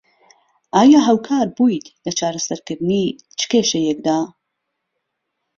ئایا هاوکار بوویت لە چارەسەر کردنی چ کێشەیەکدا؟